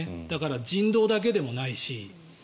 だから、人道だけでもないし。